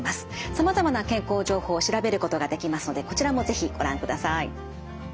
さまざまな健康情報を調べることができますのでこちらも是非ご覧ください。